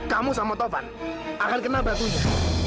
kamu sama tovan akan kena batunya